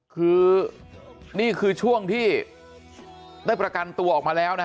คือนี่คือช่วงที่ได้ประกันตัวออกมาแล้วนะฮะ